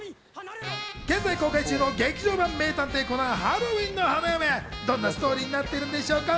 現在公開中の劇場版『名探偵コナンハロウィンの花嫁』、どんなストーリーになってるんですか？